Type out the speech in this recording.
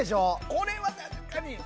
これは、確かに。